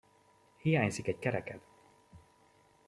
Hiányzik egy kereked!